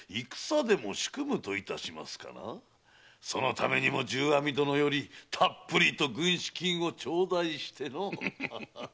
そのためにも重阿弥殿よりたっぷりと軍資金をちょうだいしてのう。